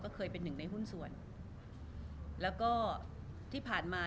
รูปนั้นผมก็เป็นคนถ่ายเองเคลียร์กับเรา